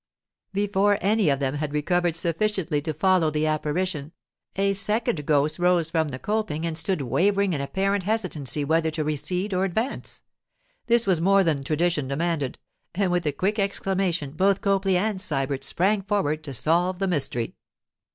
Before any of them had recovered sufficiently to follow the apparition, a second ghost rose from the coping and stood wavering in apparent hesitancy whether to recede or advance. This was more than tradition demanded, and with a quick exclamation both Copley and Sybert sprang forward to solve the mystery.